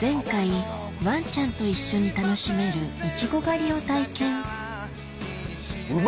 前回ワンちゃんと一緒に楽しめるいちご狩りを体験う